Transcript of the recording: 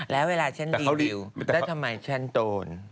แล้วเวลาฉันดีแล้วทำไมฉันโตน